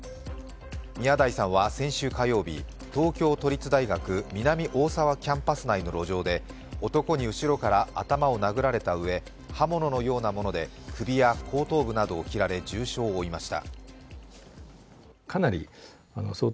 宮台さんは先週火曜日、東京都立大学南大沢キャンパス内の路上で男に後ろから頭を殴られたうえ刃物のようなもので首や後頭部などを切られ重傷を負いました。